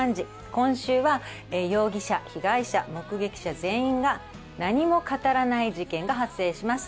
今週は容疑者被害者目撃者全員が何も語らない事件が発生します。